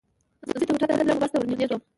زه چې بېرته هوټل ته تلم، یوه بس ته ور نږدې شوم.